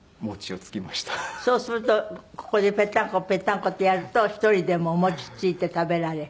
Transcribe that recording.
そうするとここでペッタンコペッタンコってやると１人でもお餅ついて食べられる？